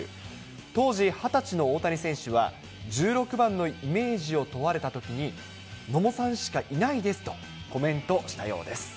当時２０歳の大谷選手は、１６番のイメージを問われたときに、野茂さんしかいないですと、コメントしたようです。